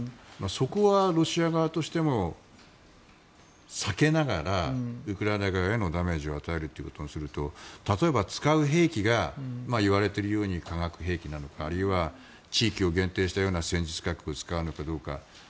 そこはロシア側としても避けながらウクライナ側へダメージを与えるとすると例えば、使う兵器がいわれているように化学兵器なのかあるいは地域を限定したような戦術核兵器を使うのかどうか。